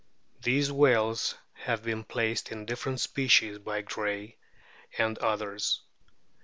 These whales have been placed in different species by Gray and others.